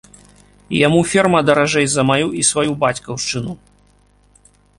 Яму ферма даражэй за маю і сваю бацькаўшчыну.